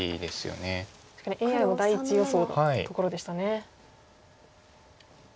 確かにＡＩも第１予想のところでしたね。